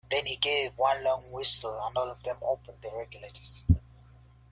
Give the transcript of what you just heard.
Then he gave one long whistle and all of them opened their regulators.